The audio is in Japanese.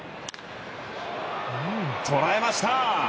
捉えました！